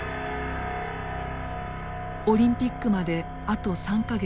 オリンピックまであと３か月。